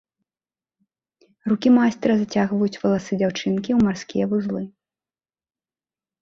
Рукі майстра зацягваюць валасы дзяўчынкі ў марскія вузлы.